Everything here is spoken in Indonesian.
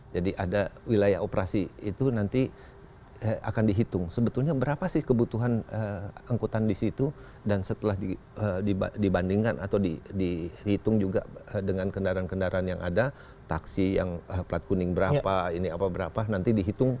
jadi ada wilayah operasi itu nanti akan dihitung sebetulnya berapa sih kebutuhan angkutan disitu dan setelah dibandingkan atau dihitung juga dengan kendaraan kendaraan yang ada taksi yang plat kuning berapa ini apa berapa nanti dihitung